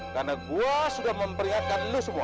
karena gua sudah memperingatkan lu semua